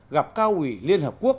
gặp cao ủy liên hợp quốc